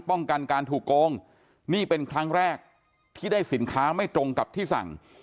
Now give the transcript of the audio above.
ป้องกันการถูกโกงนี่เป็นครั้งแรกที่ได้สินค้าไม่ตรงกับที่สั่ง